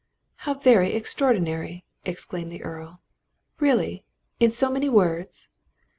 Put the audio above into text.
"How very extraordinary!" exclaimed the Earl. "Really! in so many words?"